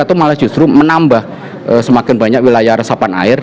atau malah justru menambah semakin banyak wilayah resapan air